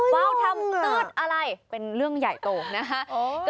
ว้าวทำตื๊ดอะไรเป็นเรื่องใหญ่โตนะคะ